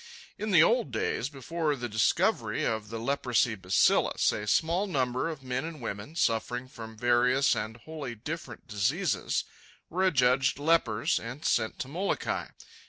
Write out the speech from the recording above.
In the old days, before the discovery of the leprosy bacillus, a small number of men and women, suffering from various and wholly different diseases, were adjudged lepers and sent to Molokai.